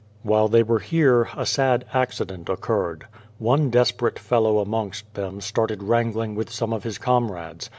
While they were here a sad accident occurred. One desperate fellow amongst them started wrangling with some of his comrades.